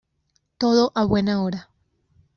Todo a buena hora.